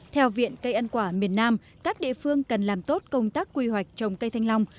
theo viện cây ăn quả miền nam các địa phương cần làm tốt công tác quy hoạch trồng cây thanh long